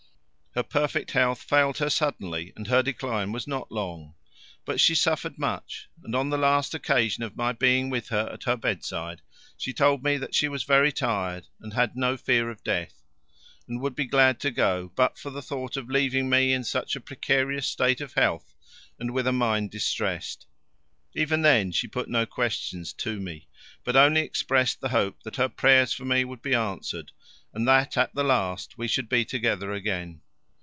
Her perfect health failed her suddenly, and her decline was not long. But she suffered much, and on the last occasion of my being with her at her bedside she told me that she was very tired and had no fear of death, and would be glad to go but for the thought of leaving me in such a precarious state of health and with a mind distressed. Even then she put no questions to me, but only expressed the hope that her prayers for me would be answered and that at the last we should be together again.